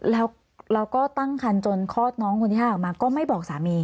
แล้วเราก็ตั้งคันจนคลอดน้องคนที่๕ออกมาก็ไม่บอกสามี